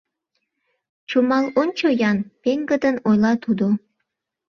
— Чумал ончо-ян!— пеҥгыдын ойла тудо.